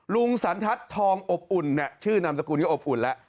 ลุงสันทัศน์ทองอบอุ่นชื่อนามสกุลก็อบอุ่นแล้ว